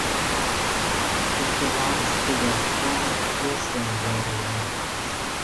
It belongs to the Far Eastern Railway.